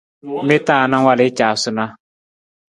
Mi ta anang wal i caasunaa?